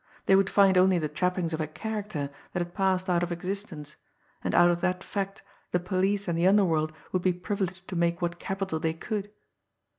They would find only the trappings of a character that had passed out of existence; and out of that fact the police and the underworld would be privileged to make what capital they could!